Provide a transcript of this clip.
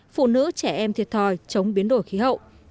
phụ nữ trẻ em thiệt thòi chống biến đổi khí hậu